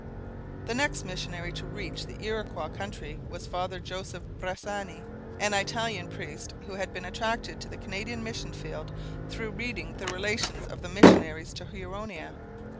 The next missionary to reach the Iroquois country was Father Joseph Bressani, an Italian priest who had been attracted to the Canadian mission field through reading the Relations of the missionaries to Huronia.